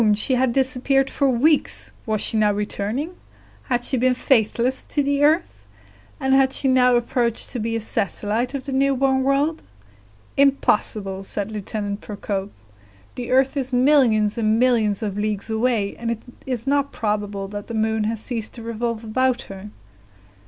She had disappeared for weeks; was she now returning? Had she been faithless to the earth? and had she now approached to be a satellite of the new born world? "Impossible!" said Lieutenant Procope; "the earth is millions and millions of leagues away, and it is not probable that the moon has ceased to revolve about her."